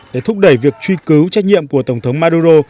để thúc đẩy việc truy cứu trách nhiệm của tổng thống maduro